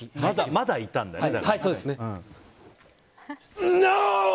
まだいたんだよね。